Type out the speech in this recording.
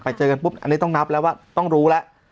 เจอกันปุ๊บอันนี้ต้องนับแล้วว่าต้องรู้แล้ว